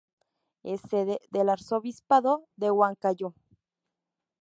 Es sede del Arzobispado de Huancayo.